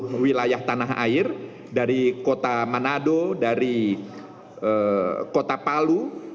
ke wilayah tanah air dari kota manado dari kota palu